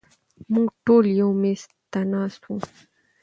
مونږ ټول يو مېز ته ناست وو